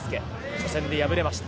初戦で敗れました。